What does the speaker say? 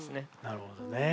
なるほどね。